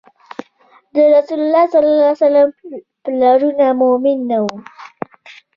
د رسول الله ﷺ پلرونه مؤمن نه وو